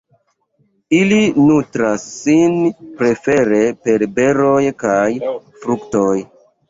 Ili nutras sin prefere per beroj kaj fruktoj.